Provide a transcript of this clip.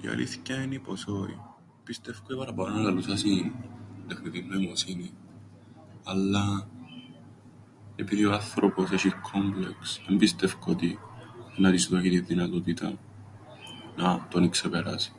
Η αλήθκεια ένι πως όι. Πιστεύκω οι παραπάνω ελαλούσασιν τεχνητήν νοημοσύνην, αλλά επειδή ο άνθρωπος έσ̆ει κκόμπλεξ εν πιστεύκω ότι εννά της δώκει την δυνατότηταν να τον ι-ξεπεράσει.